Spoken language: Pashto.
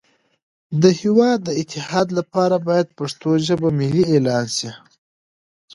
د هیواد د اتحاد لپاره باید پښتو ژبه ملی اعلان شی